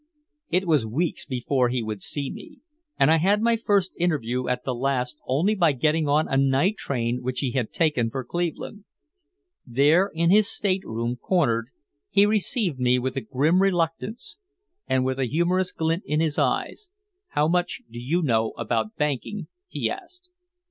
It was weeks before he would see me, and I had my first interview at last only by getting on a night train which he had taken for Cleveland. There in his stateroom, cornered, he received me with a grim reluctance. And with a humorous glint in his eyes, "How much do you know about banking?" he asked.